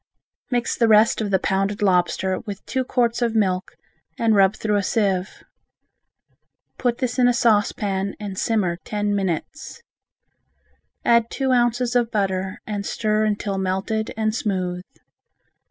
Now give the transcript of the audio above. Mix the rest of the pounded lobster with two quarts of milk and rub through a sieve. Put this in a saucepan and simmer ten minutes. Add two ounces of butter and stir until melted and smooth.